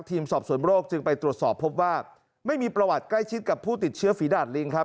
ทีมสอบสวนโรคจึงไปตรวจสอบพบว่าไม่มีประวัติใกล้ชิดกับผู้ติดเชื้อฝีดาดลิงครับ